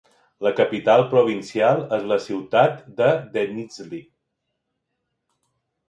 La capital provincial és la ciutat de Denizli.